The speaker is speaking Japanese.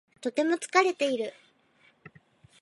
とても疲れている。